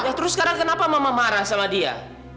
ya terus sekarang kenapa mama marah sama dia